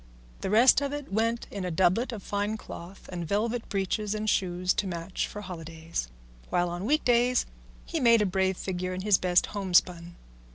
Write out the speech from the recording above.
The rest of it went in a doublet of fine cloth and velvet breeches and shoes to match for holidays, while on week days he made a brave figure in his best homespun.